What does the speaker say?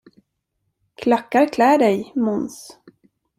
Klackar klär dig, Måns!